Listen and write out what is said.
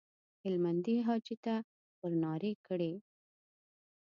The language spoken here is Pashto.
هلمندي حاجي ته ورنارې کړې.